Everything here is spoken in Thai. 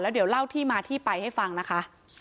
เดี๋ยวเล่าที่มาที่ไปให้ฟังนะคะ